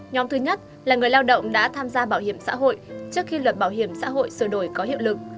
nhóm thứ nhất là người lao động đã tham gia bảo hiểm xã hội trước khi luật bảo hiểm xã hội sửa đổi có hiệu lực